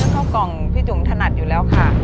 ข้าวกล่องพี่จุ๋มถนัดอยู่แล้วค่ะ